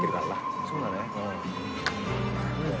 そうだね。